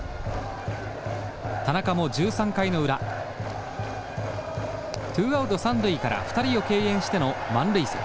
田中も１３回の裏ツーアウト三塁から２人を敬遠しての満塁策。